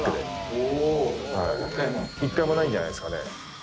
１回もないんじゃないですかね。